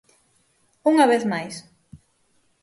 ¡Unha vez máis!